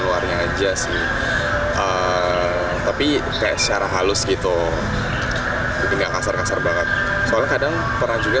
luarnya aja sih tapi kayak secara halus gitu jadi enggak kasar kasar banget soalnya kadang pernah juga